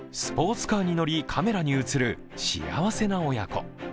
スポーツカーに乗り、カメラに映る幸せな親子。